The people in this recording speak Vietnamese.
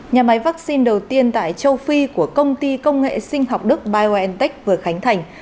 nhà máy vaccine đầu tiên tại châu phi của công ty công nghệ sinh học đức biontech vừa khánh thành